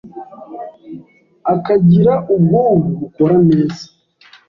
akagira ubwonko bukora neza.